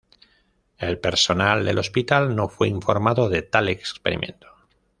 El personal del hospital no fue informado de tal experimento.